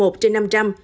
một trên năm trăm linh